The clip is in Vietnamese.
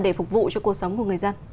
để phục vụ cho cuộc sống của người dân